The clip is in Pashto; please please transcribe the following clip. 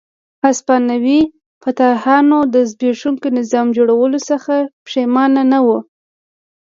هسپانوي فاتحانو د زبېښونکي نظام جوړولو څخه پښېمانه نه وو.